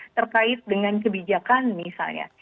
terkait dengan kebijakan misalnya